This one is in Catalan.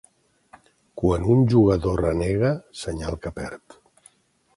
Quan un jugador renega, senyal que perd.